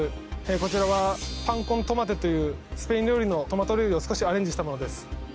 こちらはパン・コン・トマテというスペイン料理のトマト料理を少しアレンジしたものです